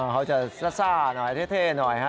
เขาจะซ่าหน่อยเท่หน่อยฮะ